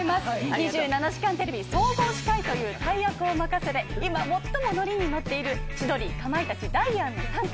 ２７時間テレビ総合司会という大役を任され今、最も乗りに乗っている千鳥、かまいたちダイアンの３組。